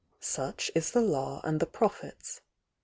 Such is the Law and the Prophets.